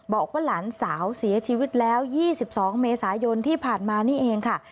บอกว่าหลานสาวเสียชีวิตแล้ว๒๒เมษายนที่ผ่านมานี่เองค่ะ